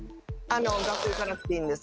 学校行かなくていいんです。